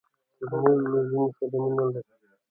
ترموز له ژمي سره مینه لري.